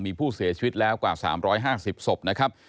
มีผู้เสียชีวิตแล้วกว่า๓๕๐ศพนะครับ